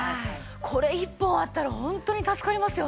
これ１本あったら本当に助かりますよね。